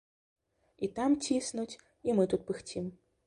І там ціснуць, і мы тут пыхцім.